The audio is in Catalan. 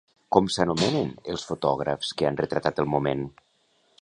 Com s'anomenen els fotògrafs que han retratat el moment?